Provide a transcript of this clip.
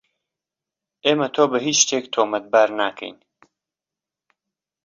ئێمە تۆ بە هیچ شتێک تۆمەتبار ناکەین.